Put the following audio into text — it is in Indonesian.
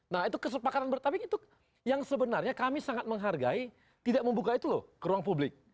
nah itu kesepakatan bertabik itu yang sebenarnya kami sangat menghargai tidak membuka itu loh ke ruang publik